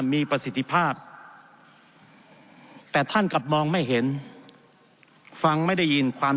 มีประสิทธิภาพแต่ท่านกลับมองไม่เห็นฟังไม่ได้ยินความ